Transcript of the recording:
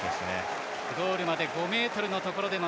ゴールまで５ｍのところ。